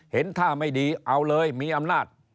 เห็นท่าไม่ดีเอาเลยมีอำนาจ